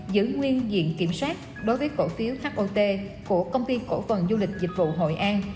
giữ nguyên diện kiểm soát đối với cổ phiếu hot của công ty cổ phần du lịch dịch vụ hội an